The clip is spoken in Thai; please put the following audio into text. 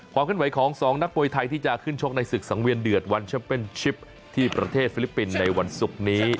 ขึ้นไหวของ๒นักมวยไทยที่จะขึ้นชกในศึกสังเวียนเดือดวันแชมเป็นชิปที่ประเทศฟิลิปปินส์ในวันศุกร์นี้